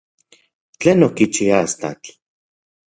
¿Tlen okichi astatl?